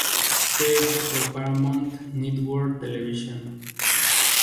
Fue hecha por Paramount Network Television.